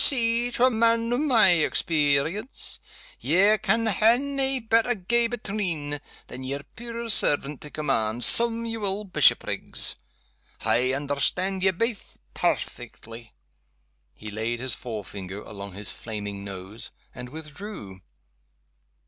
B. C. to a man o' my experience. Ye can ha' nae better gae between than yer puir servant to command, Sawmuel Bishopriggs. I understand ye baith pairfeckly." He laid his forefinger along his flaming nose, and withdrew.